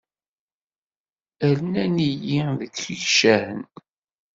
Rnan-iyi deg yicahen.